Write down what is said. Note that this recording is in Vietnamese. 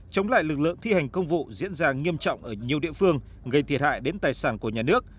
chống lại lực lượng thi hành công vụ diễn ra nghiêm trọng ở nhiều địa phương gây thiệt hại đến tài sản của nhà nước